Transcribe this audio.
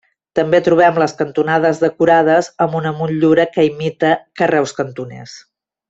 També trobem les cantonades decorades amb una motllura que imita carreus cantoners.